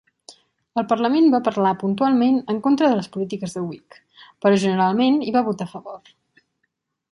Al parlament va parlar puntualment en contra de les polítiques de Whig, però generalment hi va votar a favor.